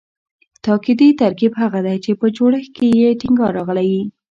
تاکیدي ترکیب هغه دﺉ، چي په جوړښت کښي ئې ټینګار راغلی یي.